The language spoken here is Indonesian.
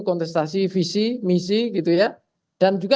kontestasi visi misi gitu ya dan juga